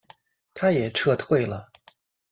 他也撤退了。